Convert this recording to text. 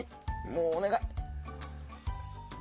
もうお願い。